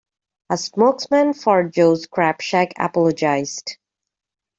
A spokesman for Joe's Crab Shack apologized.